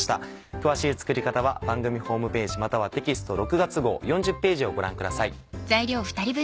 詳しい作り方は番組ホームページまたはテキスト６月号４０ページをご覧ください。